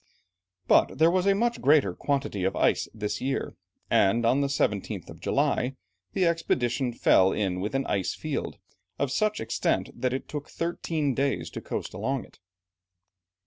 But there was a much greater quantity of ice this year, and on the 17th of July, the expedition fell in with an "icefield" of such extent that it took thirteen days to coast along it.